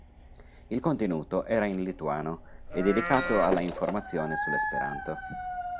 Il contenuto era in lituano e dedicato alla informazione sull'esperanto.